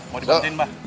mau dibantuin pak